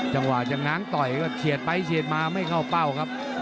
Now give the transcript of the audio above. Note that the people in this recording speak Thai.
จังหวะจะง้างต่อยก็เฉียดไปเฉียดมาไม่เข้าเป้าครับ